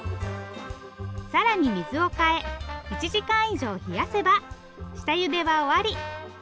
更に水を替え１時間以上冷やせば下ゆでは終わり。